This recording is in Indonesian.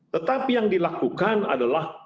tetapi yang dilakukan adalah